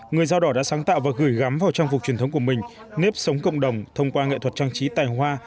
người dao đỏ đã sáng tạo và gửi gắm vào trang phục truyền thống của mình nếp sống cộng đồng thông qua nghệ thuật trang trí tài hoa